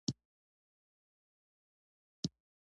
د دې فورمول بڼه توکي پیسې او بیا توکي ده